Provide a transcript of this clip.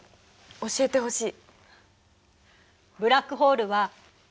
教えてほしい。